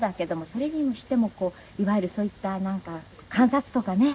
それにしてもいわゆるそういったなんか観察とかね。